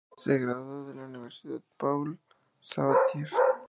Se graduó de la Universidad Paul Sabatier.